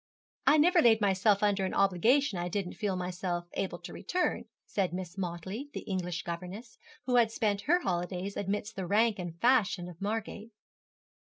'I never laid myself under an obligation I didn't feel myself able to return,' said Miss Motley, the English governess, who had spent her holidays amidst the rank and fashion of Margate.